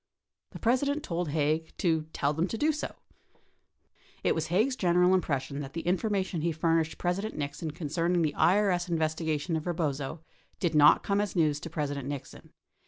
The President told Haig to "tell them to do so." It was Haig's general impression that the information he furnished President Nixon con cerning the IES investigation of Eebozo did not come as news to President Nixon.